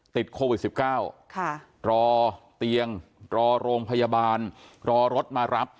ติดโควิด๑๙รอเตียงรอโรงพยาบาลรอรถมารับ